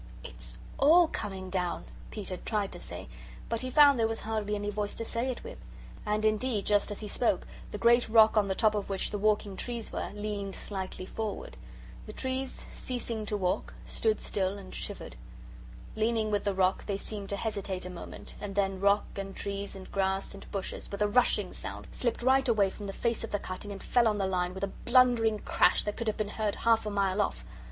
"It's ALL coming down," Peter tried to say, but he found there was hardly any voice to say it with. And, indeed, just as he spoke, the great rock, on the top of which the walking trees were, leaned slowly forward. The trees, ceasing to walk, stood still and shivered. Leaning with the rock, they seemed to hesitate a moment, and then rock and trees and grass and bushes, with a rushing sound, slipped right away from the face of the cutting and fell on the line with a blundering crash that could have been heard half a mile off.